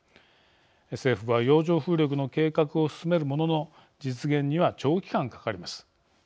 政府は洋上風力の計画を進めるものの実現には長期間かかります。